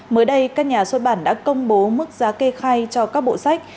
mới đây các nhà xuất bản đã công bố mức giá kê khai cho các bộ sách